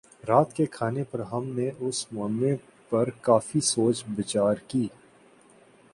رات کے کھانے پر ہم نے اس معمے پر کافی سوچ بچار کی